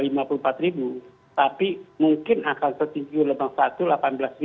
itu lebih rendah dari gelombang pertama